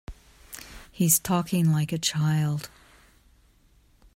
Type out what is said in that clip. He's talking like a child.